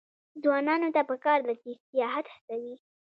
ځوانانو ته پکار ده چې، سیاحت هڅوي.